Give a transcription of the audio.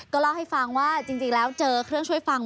เล่าให้ฟังว่าจริงแล้วเจอเครื่องช่วยฟัง